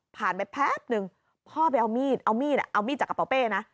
ผ่านไปแพบนึงพ่อไปเอามีดเอามีดจากกระเป้นะ